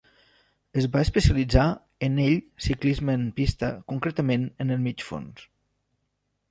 Es va especialitzar en ell ciclisme en pista concretament en el mig fons.